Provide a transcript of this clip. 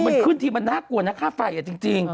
มันขึ้นทีมันน่ากลัวนะค่าไฟจริง